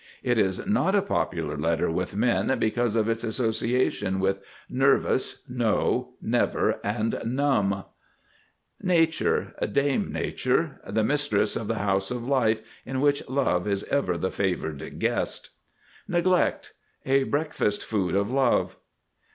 It is not a popular letter with men because of its association with Nervous, No, Never, and Numb. NATURE. Dame Nature. The mistress of the House of Life, in which Love is ever the favored guest. NEGLECT. A breakfast food of Love.